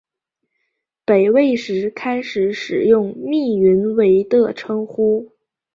北魏时开始使用密云为的称谓。